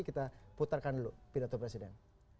kita putarkan dulu pidato presiden